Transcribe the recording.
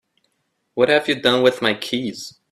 What have you done with my keys?